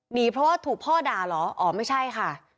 หนีเพราะว่าถูกพ่อด่าเหรออ๋อไม่ใช่ค่ะ